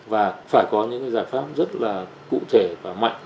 và phải có những giải pháp rất là cụ thể và mạnh